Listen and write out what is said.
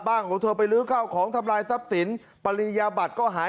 ของเธอไปลื้อข้าวของทำลายทรัพย์สินปริญญาบัตรก็หาย